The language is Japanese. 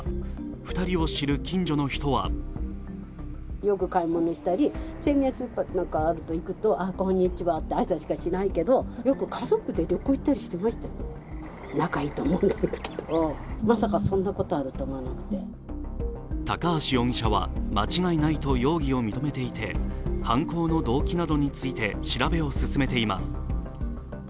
２人を知る近所の人は高橋容疑者は間違いないと容疑を認めていて、犯行の動機などについて調べを進めています。